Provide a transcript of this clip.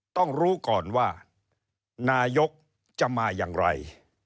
ต้องรู้ก่อนว่านายกจะมาอย่างไร